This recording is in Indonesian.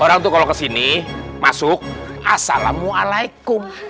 orang tuh kalau kesini masuk assalamualaikum